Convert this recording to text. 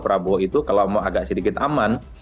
prabowo itu kalau mau agak sedikit aman